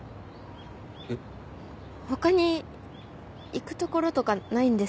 えっ？他に行く所とかないんですけど。